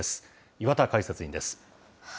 岩田解説委員です。